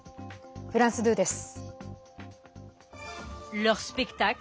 フランス２です。